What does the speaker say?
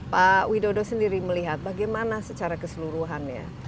pak widodo sendiri melihat bagaimana secara keseluruhannya